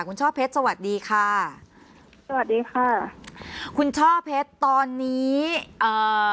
คุณช่อเพชรสวัสดีค่ะสวัสดีค่ะคุณช่อเพชรตอนนี้เอ่อ